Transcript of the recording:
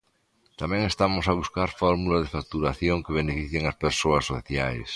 Tamén estamos a buscar fórmulas de facturación que beneficien as persoas socias.